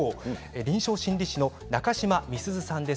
臨床心理士の中島美鈴さんです。